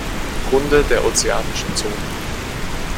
Runde der Ozeanischen Zone.